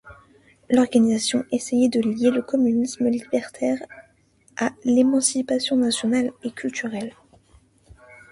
L’organisation essayait de lier le communisme libertaire à l’émancipation nationale et culturelle.